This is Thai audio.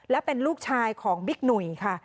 และเป็นลูกชายของบิ๊กหนุ่ยค่ะ